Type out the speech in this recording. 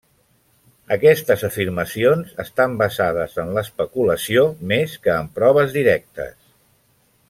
Aquestes afirmacions estan basades en l'especulació més que en proves directes.